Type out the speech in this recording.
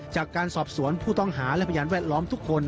จากการสอบสวนผู้ต้องหาและพยานแวดล้อมทุกคน